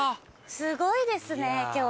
すごいですね今日。